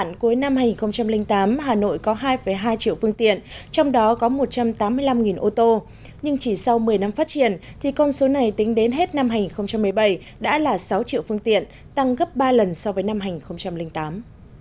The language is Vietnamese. thưa quý năm hai nghìn tám hà nội có hai hai triệu phương tiện trong đó có một trăm tám mươi năm ô tô nhưng chỉ sau một mươi năm phát triển thì con số này tính đến hết năm hai nghìn một mươi bảy đã là sáu triệu phương tiện tăng gấp ba lần so với năm hai nghìn tám